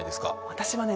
私はね